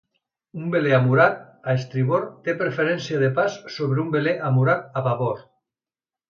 Un veler amurat a estribord té preferència de pas sobre un veler amurat a babord.